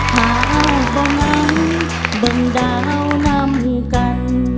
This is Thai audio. พาวประมันเบื้องดาวนำกัน